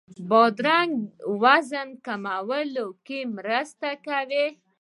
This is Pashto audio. بادرنګ وزن کمولو کې مرسته کوي.